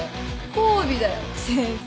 交尾だよ先生。